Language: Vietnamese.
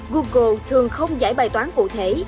google thường không giải bài toán cụ thể